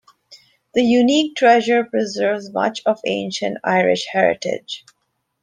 The unique treasure preserves much of ancient Irish heritage.